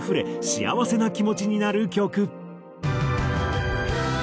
幸せな気持ちになる曲。